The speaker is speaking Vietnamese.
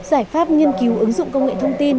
giải pháp nghiên cứu ứng dụng công nghệ thông tin